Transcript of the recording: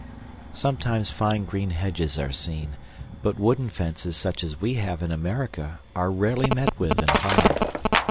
Sometimes fine green hedges are seen, but wooden fences such as we have in America are rarely met with in Holland.